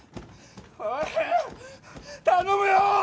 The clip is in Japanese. おい頼むよ！